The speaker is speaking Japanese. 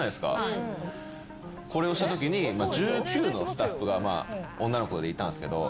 これをしたときに１９のスタッフが女の子でいたんですけど。